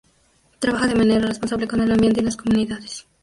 Trabaja de manera responsable con el ambiente y las comunidades.